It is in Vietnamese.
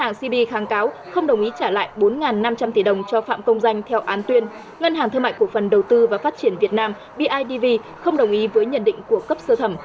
ngân hàng thương mại cổ phần đầu tư và phát triển việt nam bidv không đồng ý với nhận định của cấp sơ thẩm